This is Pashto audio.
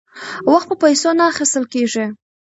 وخت په پیسو نه اخیستل کیږي.